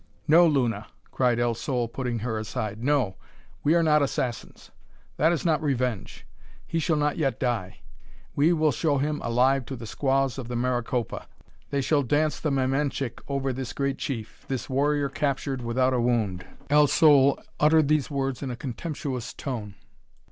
"No, Luna!" cried El Sol, putting her aside; "no; we are not assassins. That is not revenge. He shall not yet die. We will show him alive to the squaws of the Maricopa. They shall dance the mamanchic over this great chief this warrior captured without a wound!" El Sol uttered these words in a contemptuous tone.